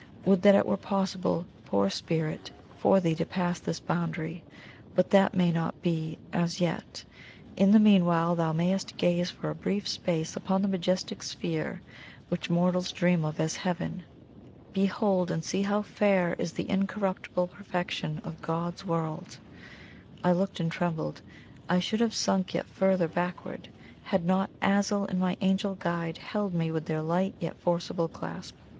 Would that it were possible, poor Spirit, for thee to pass this boundary! But that may not be as yet. In the meanwhile thou mayest gaze for a brief space upon the majestic sphere which mortals dream of as Heaven. Behold and see how fair is the incorruptible perfection of God's World!" I looked and trembled I should have sunk yet further backward, had not Azul and my Angel guide held me with their light yet forcible clasp.